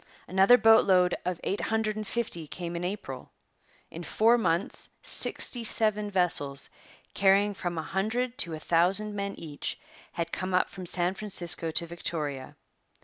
Another boat load of eight hundred and fifty came in April. In four months sixty seven vessels, carrying from a hundred to a thousand men each, had come up from San Francisco to Victoria.